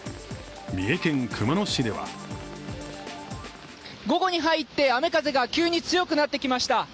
三重県熊野市では午後に入って雨風が急に強くなってきました。